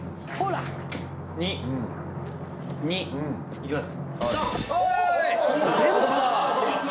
いきます。